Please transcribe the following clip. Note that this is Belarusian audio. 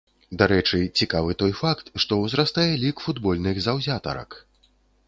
Дарэчы, цікавы той факт, што ўзрастае лік футбольных заўзятарак.